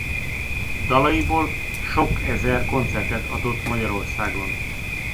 Dalaiból sok ezer koncertet adott Magyarországon.